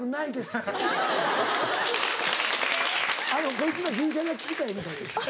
こいつら銀シャリが聞きたいみたい。